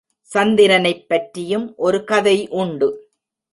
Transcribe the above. சந்திரனைப் பற்றியும் ஒரு கதை உண்டு.